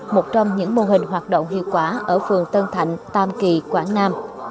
một trong những mô hình hoạt động hiệu quả ở phường tân thạnh tam kỳ quảng nam